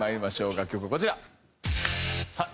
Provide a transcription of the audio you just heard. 楽曲こちら。